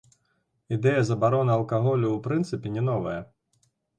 Ідэя забароны алкаголю ў прынцыпе не новая.